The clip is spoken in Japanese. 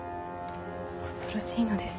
恐ろしいのです。